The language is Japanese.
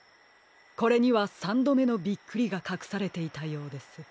これにはさんどめのびっくりがかくされていたようです。